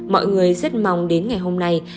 mọi người rất mong đến ngày hôm nay